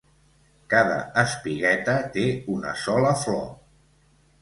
Cada espigueta té una sola flor.